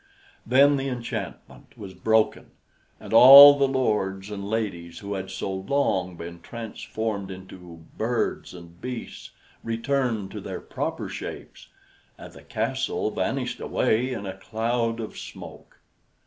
Then the enchantment was broken, and all the lords and ladies who had so long been transformed into birds and beasts returned to their proper shapes, and the castle vanished away in a cloud of smoke.